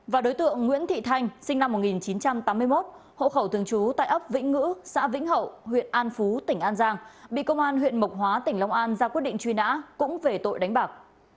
và đối tượng nguyễn thị thanh sinh năm một nghìn chín trăm tám mươi một hộ khẩu thường trú tại ấp vĩnh ngữ xã vĩnh hậu huyện an phú tỉnh an giang bị công an huyện mộc hóa tỉnh long an ra quyết định truy nã cũng về tội đánh bạc